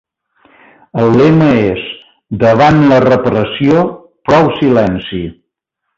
El lema és Davant la repressió, prou silenci.